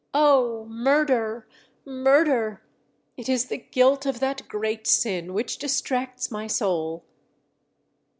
_Oh! Murder! Murder! it is the guilt of that great sin which distracts my soul.